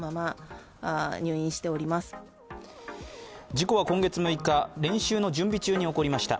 事故は今月６日、練習の準備中に起こりました。